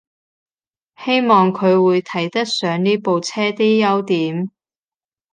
希望佢會睇得上呢部車啲優點